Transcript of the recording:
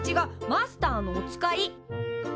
マスターのお使い。